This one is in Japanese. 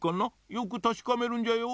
よくたしかめるんじゃよ。